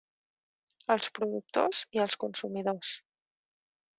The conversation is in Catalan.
Els productors i els consumidors.